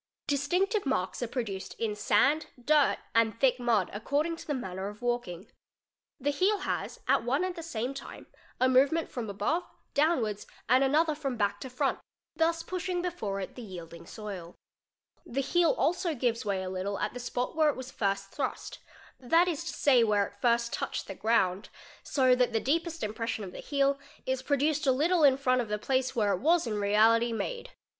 Distinctive marks are produced in sand, dirt, and thick mud ac ording to the manner of walking. The heel has, at one and the same fe can therefore always conclude that a person has walked quickly, on he e€, a movement from above downwards and another from back to front thus s pushing before it the yielding soil. The heel also gives way a little t the spot where it was first thrust, that is to say, where it first touched 6 ground, so that the deepest impression of the heel is produced a little il of the place where it was in reality made.